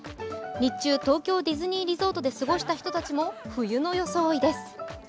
日中、東京ディズニーリゾートで過ごした人たちも冬の装いです。